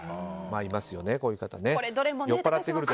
いますよね、こういう方。